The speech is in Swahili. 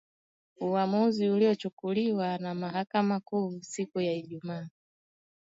Uwamuzi ulochukuliwa na Mahakama Kuu siku ya Ijuma